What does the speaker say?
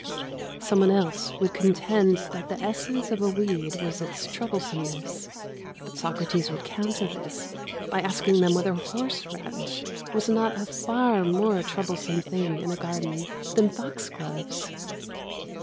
Someone else would contend that the essence of a weed was its troublesomeness, but Socrates would counter this by asking them whether horseradish was not a far more troublesome thing in a garden than foxgloves.